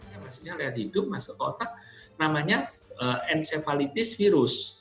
yang maksudnya lihat hidup masuk otak namanya encephalitis virus